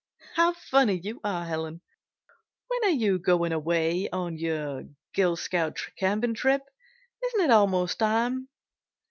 "How funny you are, Helen! When are you going away on your Girl Scout camping trip? Isn't it almost time?"